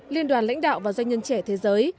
liên đoàn lãnh đạo và doanh nhân trẻ thế giới